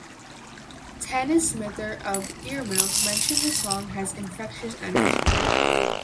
Tanis Smither of "Earmilk" mentioned the song has an "infectious energy".